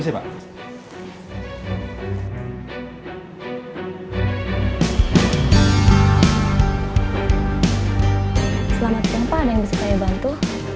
selamat datang pak ada yang bisa saya bantu